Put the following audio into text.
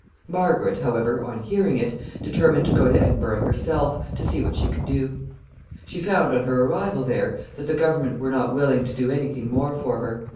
Margaret, however, on hearing it, determined to go to Edinburgh herself, to see what she could do. She found, on her arrival there, that the government were not willing to do any thing more for her.